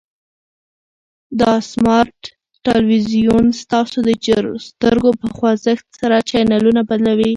دا سمارټ تلویزیون ستاسو د سترګو په خوځښت سره چینلونه بدلوي.